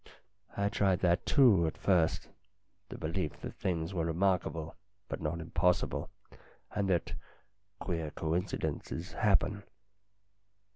" I tried that, too, at first the belief that things were remarkable, but not impossible, and that LINDA 285 queer coincidences happen.